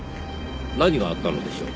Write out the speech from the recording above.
何があったのでしょう？